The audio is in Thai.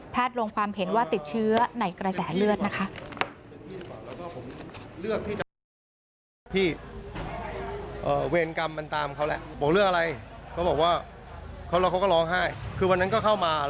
ลงความเห็นว่าติดเชื้อในกระแสเลือดนะคะ